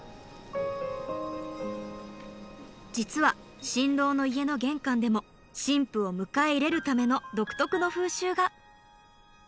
実は新郎の家の玄関でも新婦を迎え入れるための独特の風習が。